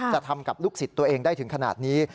จะทำกับลูกศิษย์ตัวเองได้ถึงขนาดนี้